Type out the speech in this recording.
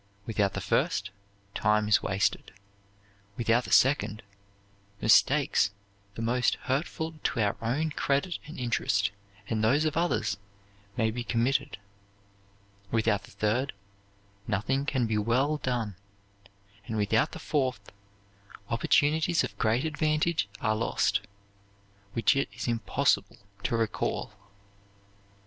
Without the first, time is wasted; without the second, mistakes the most hurtful to our own credit and interest, and those of others, may be committed; without the third, nothing can be well done; and without the fourth, opportunities of great advantage are lost, which it is impossible to recall."